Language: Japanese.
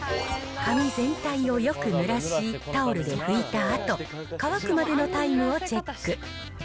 髪全体をよくぬらし、タオルで拭いたあと、乾くまでのタイムをチェック。